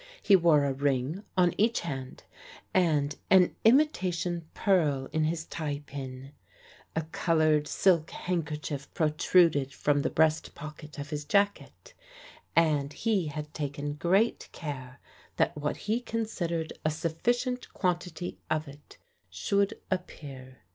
He wore a ring on each hand, and an imitation pearl in his tie pin« A coloured, silk handker chief protruded from the breast pocket of his jacket, and he had taken great care that what he considered a sufl5 cient quantity of it should appear.